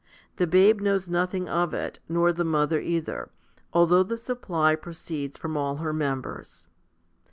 The babe knows nothing of it, nor the mother either, although the supply proceeds from all her members.